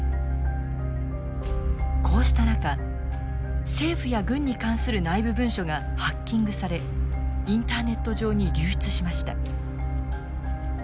こうした中政府や軍に関する内部文書がハッキングされインターネット上に流出しました。